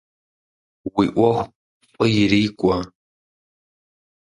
Уи ӏуэху фӏы ирикӏуэ!